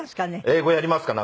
英語やりますか？